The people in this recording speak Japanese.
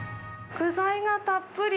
具材がたっぷり。